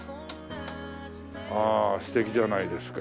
ああ素敵じゃないですか。